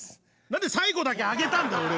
何で最後だけ上げたんだよ